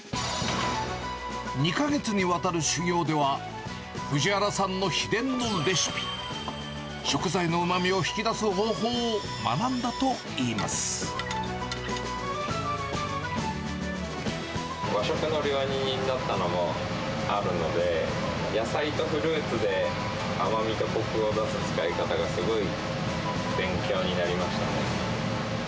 ２か月に渡る修業では、藤原さんの秘伝のレシピ、食材のうまみを引き出す方法を学んだと和食の料理人だったのもあるので、野菜とフルーツで甘みとこくを出す使い方がすごい勉強になりましたね。